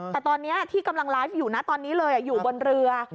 แต่ตอนนี้ที่กำลังไลฟ์อยู่นะตอนนี้เลยอยู่บนเรือ